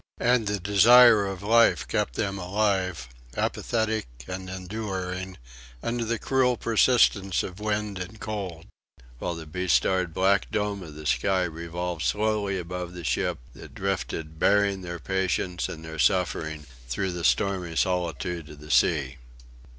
And the desire of life kept them alive, apathetic and enduring, under the cruel persistence of wind and cold; while the bestarred black dome of the sky revolved slowly above the ship, that drifted, bearing their patience and their suffering, through the stormy solitude of the sea.